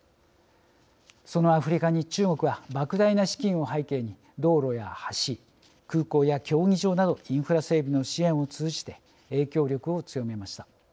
そのアフリカに中国はばく大な資金を背景に道路や橋空港や競技場などインフラ整備の支援を通じて影響力を強めました。